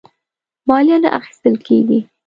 مالیه نه اخیستله کیږي.